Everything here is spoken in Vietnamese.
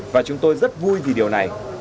và chúng tôi rất vui vì điều này